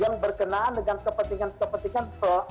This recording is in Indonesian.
yang berkenaan dengan kepentingan kepentingan melalui jaringan